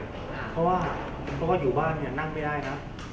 เพราะว่าเพราะว่าอยู่บ้านเนี่ยนั่งไม่ได้นะ